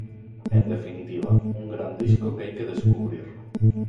En definitiva, un gran disco que hay que descubrir.